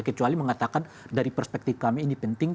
kecuali mengatakan dari perspektif kami ini penting